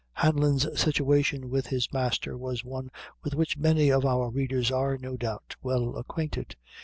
Hanlon's situation with his master was one with which many of our readers are, no doubt, well acquainted.